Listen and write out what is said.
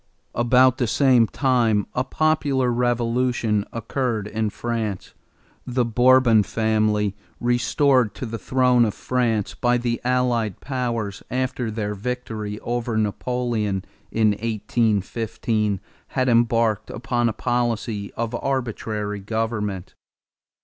About the same time a popular revolution occurred in France. The Bourbon family, restored to the throne of France by the allied powers after their victory over Napoleon in 1815, had embarked upon a policy of arbitrary government.